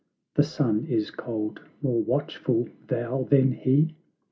The Sun is cold; more watchful thou than he?